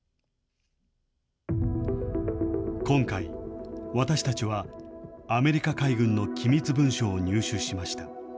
今回、私たちはアメリカ海軍の機密文書を入手しました。